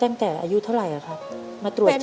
ตั้งแต่อายุเท่าไหร่ครับมาตรวจเจอ